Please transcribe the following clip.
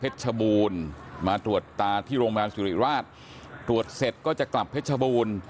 ชบูรณ์มาตรวจตาที่โรงพยาบาลสุริราชตรวจเสร็จก็จะกลับเพชรบูรณ์